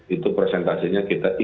itu presentasinya kita ingatkan